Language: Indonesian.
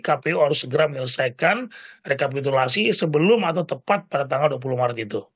karena mereka sudah menyelesaikan rekapitulasi sebelum atau tepat pada tanggal dua puluh maret itu